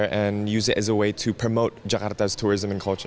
dan menggunakannya sebagai cara untuk mempromosikan kultur turisme jakarta